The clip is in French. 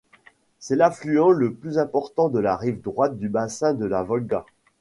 C'est l'affluent le plus important de la rive droite du bassin de la Volga.